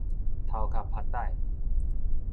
頭殼 pha̍t-tái